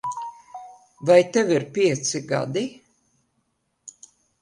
Vai tev ir pieci gadi?